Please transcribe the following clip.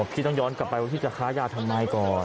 ที่ต้องย้อนกลับไปว่าพี่จะค้ายาทำไมก่อน